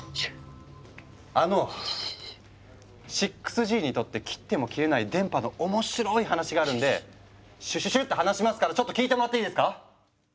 あの６Ｇにとって切っても切れない電波の面白い話があるんでシュッシュッシュッて話しますからちょっと聞いてもらっていいですか？